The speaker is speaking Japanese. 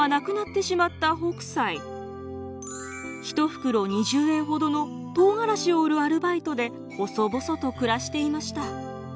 １袋２０円ほどの唐辛子を売るアルバイトで細々と暮らしていました。